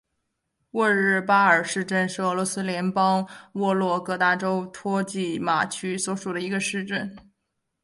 沃日巴尔市镇是俄罗斯联邦沃洛格达州托季马区所属的一个市镇。